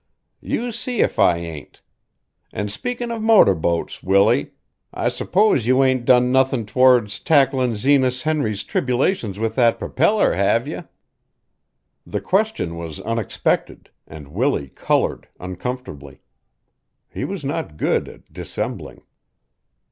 You see if I ain't! An' speakin' of motor boats, Willie I s'pose you ain't done nothin toward tacklin' Zenas Henry's tribulations with that propeller, have you?" The question was unexpected, and Willie colored uncomfortably. He was not good at dissembling.